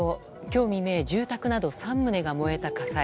今日未明住宅など３棟が燃えた火災。